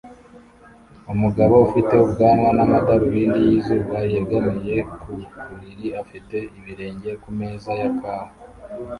Umugabo ufite ubwanwa n'amadarubindi yizuba yegamiye ku buriri afite ibirenge ku meza ya kawa